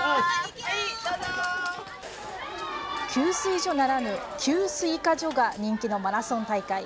給水所ならぬ給スイカ所が人気のマラソン大会。